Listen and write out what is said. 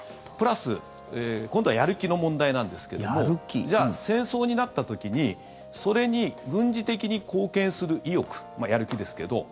プラス、今度はやる気の問題なんですけれどもじゃあ、戦争になった時にそれに軍事的に貢献する意欲まあ、やる気ですけど。